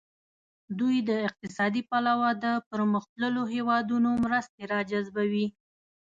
دوی د اقتصادي پلوه د پرمختللو هیوادونو مرستې را جذبوي.